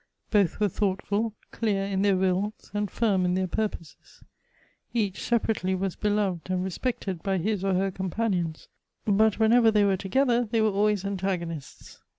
Both were thoughtful, clear in their wills, and firm in their purposes. Each separately was beloved and respected by his or her com panions, but whenever they were together they were alwiiys antagonists.